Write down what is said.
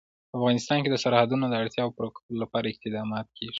په افغانستان کې د سرحدونه د اړتیاوو پوره کولو لپاره اقدامات کېږي.